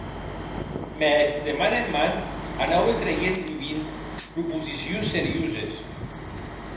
Mès de man en man anaue treiguent Rubin proposicions serioses.